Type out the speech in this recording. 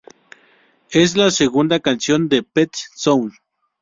Es la segunda canción de "Pet Sounds".